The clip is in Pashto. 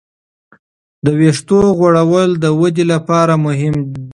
د وېښتو غوړول د ودې لپاره مهم دی.